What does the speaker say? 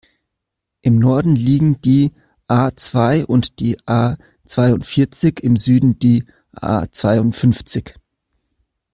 Im Norden liegen die A-zwei und die A-zweiundvierzig, im Süden die A-zweiundfünfzig.